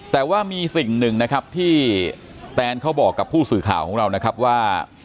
แต่ว่ามีสิ่งหนึ่งนะครับที่แตนเขาบอกกับผู้สื่อข่าวของเรานะครับว่า